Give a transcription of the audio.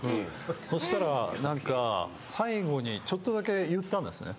そしたらなんか最後にちょっとだけ言ったんですね。